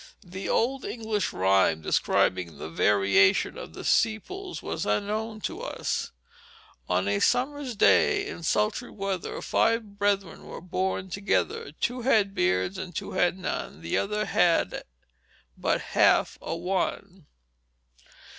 The old English rhyme describing the variation of the sepals was unknown to us: "On a summer's day in sultry weather Five brethren were born together: Two had beards, and two had none, And the other had but half a one."